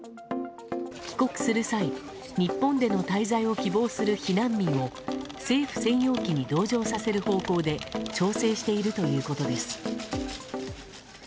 帰国する際日本での滞在を希望する避難民を政府専用機に同乗させる方向で調整しているということです。